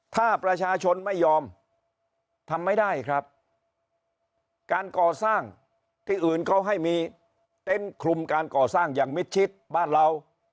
ถ้าประชาชนไม่ยอมทำไม่ได้ครับการก่อสร้างที่อื่นเขาให้มีเต็นต์คลุมการก่อสร้างอย่างมิดชิดบ้านเรา